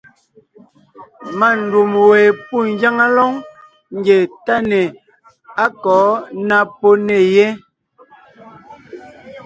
Má ndûm we pû ngyáŋa lóŋ ńgie táne á kɔ̌ ná pó nè yé.